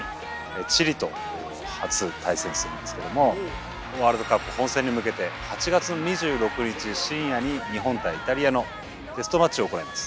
チリと初対戦するんですけどもワールドカップ本戦に向けて８月２６日深夜に日本対イタリアのテストマッチを行います。